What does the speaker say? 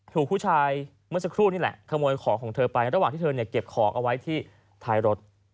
ถูกผู้ชายเมื่อสักครู่นี่แหละขโมยของของเธอไประหว่างที่เธอเนี่ยเก็บของเอาไว้ที่ท้ายรถ